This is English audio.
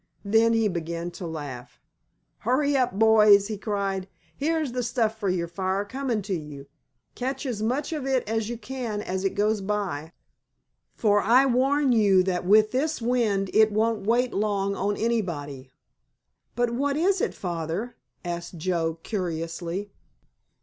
Then he began to laugh. "Hurry up, boys," he cried, "here's the stuff for your fire coming to you! Catch as much of it as you can as it goes by, for I warn you that with this wind it won't wait long on anybody." "But what is it, Father?" asked Joe curiously.